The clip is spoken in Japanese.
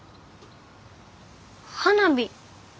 花火。